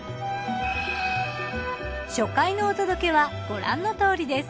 初回のお届けはご覧の通りです。